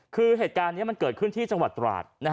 คือเหตุการณ์นี้มันเกิดขึ้นที่จังหวัดตราด